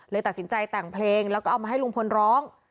ตัดสินใจแต่งเพลงแล้วก็เอามาให้ลุงพลร้อง